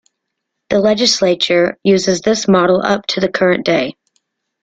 The Legislature uses this model up to the current day.